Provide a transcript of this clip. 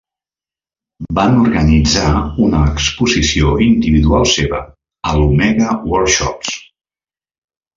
Van organitzar una exposició individual seva a l'Omega Workshops.